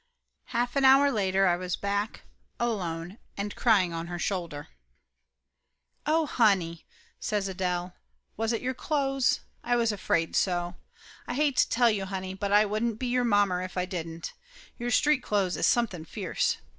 Half an hour later I was back, alone, and crying on her shoulder. "Oh, honey!" says Adele, "was it your clothes? I was afraid so ! I hate to tell you, honey, but I wouldn't be your mommer if I didn't. Your street clothes is something fierce!